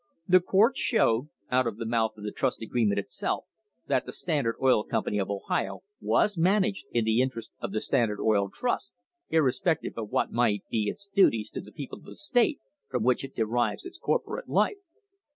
The court showed, out of the mouth of the trust agreement itself, that the Standard Oil Company of Ohio was "managed in the interest of the Standard Oil Trust irrespective of what might be its duties to the people of the state from which it derives its corporate life."